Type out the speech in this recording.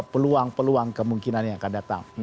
peluang peluang kemungkinan yang akan datang